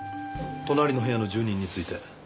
隣の部屋の住人について。